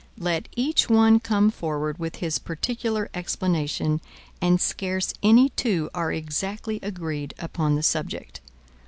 Let each one come forward with his particular explanation, and scarce any two are exactly agreed upon the subject.